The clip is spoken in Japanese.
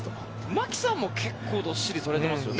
牧さんも結構どっしりされていますよね。